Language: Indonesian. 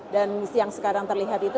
dan yang sekarang terlihat itu